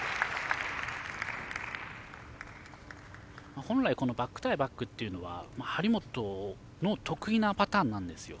本来このバック対バックというのは張本の得意なパターンなんですよ。